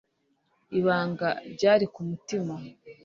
ibanga ryari ku mutima